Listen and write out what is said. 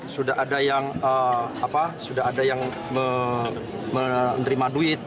sudah ada yang menerima duit